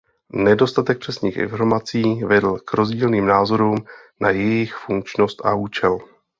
Nedostatek přesných informací vedl k rozdílným názorům na jejich funkčnost a účel.